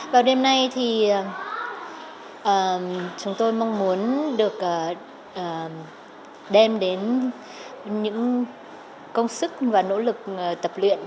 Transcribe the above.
vào đêm nay thì chúng tôi mong muốn được đem đến những công sức và nỗ lực tập luyện